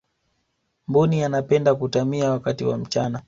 mbuni anapenda kuatamia wakati wa mchana